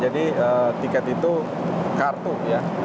jadi tiket itu kartu ya